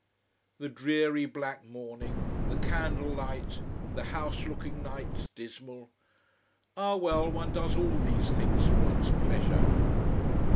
The dreary black morning, the candle light, the house looking night dismal. Ah, well, one does all these things for one's pleasure.